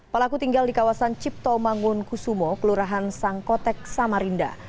pelaku tinggal di kawasan cipto mangun kusumo kelurahan sangkotek samarinda